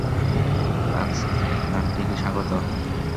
Lux এটলান্টিকে স্বাগত।